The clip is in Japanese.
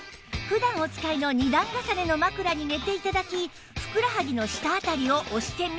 普段お使いの２段重ねの枕に寝て頂きふくらはぎの下辺りを押してみると